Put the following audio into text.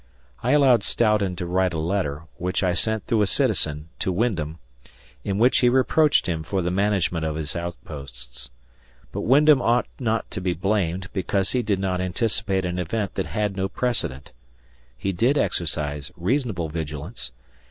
I allowed Stoughton to write a letter, which I sent through a citizen, to Wyndham, in which he reproached him for the management of his outposts. But Wyndham ought not to be blamed, because he did not anticipate an event that had no precedent. He did exercise reasonable vigilance.